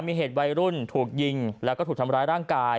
มีเหตุวัยรุ่นถูกยิงแล้วก็ถูกทำร้ายร่างกาย